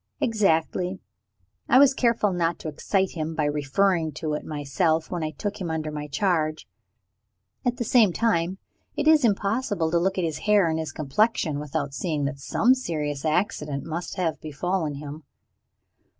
"Exactly. I was careful not to excite him, by referring to it myself, when I took him under my charge. At the same time, it is impossible to look at his hair and his complexion, without seeing that some serious accident must have befallen him."